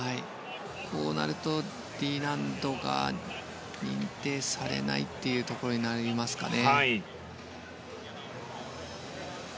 こうなるとＤ難度が認定されないことになりますかね。